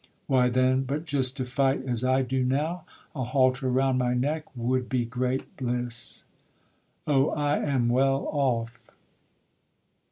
Why then, but just to fight as I do now, A halter round my neck, would be great bliss. O! I am well off.